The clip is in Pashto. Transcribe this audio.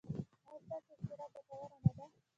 ایا ستاسو اختراع ګټوره نه ده؟